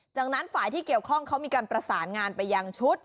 จากนั้นฝ่ายที่เกี่ยวข้องเขามีการประสานงานไปยังชุด